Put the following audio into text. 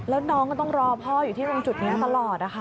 แล้วน้องก็ต้องรอพ่ออยู่ที่ตรงจุดนี้ตลอดนะคะ